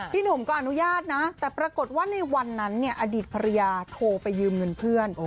หนุ่มก็อนุญาตนะแต่ปรากฏว่าในวันนั้นเนี่ยอดีตภรรยาโทรไปยืมเงินเพื่อน